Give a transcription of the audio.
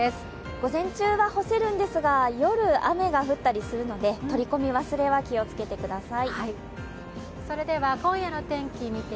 午前中は干せるんですが夜は雨が降ったりするので取り込み忘れは気をつけてください。